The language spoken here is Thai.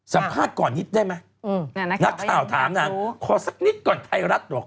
สัมภาษณ์ก่อนนิดได้ไหมนักข่าวถามนางขอสักนิดก่อนไทยรัฐบอก